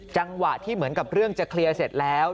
จังหวะที่เหมือนกับเรื่องจะเคลียร์เสร็จแล้ว